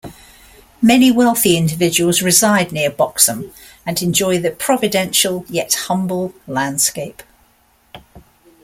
Many wealthy individuals reside near Boxholm, and enjoy the providential, yet humble landscape.